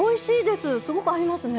すごく合いますね。